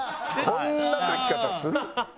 こんな書き方する？